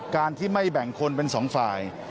การที่ไม่แบ่งคนเป็นสองฝ่าย